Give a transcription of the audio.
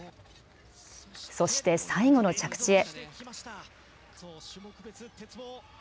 そして最後の着地へ。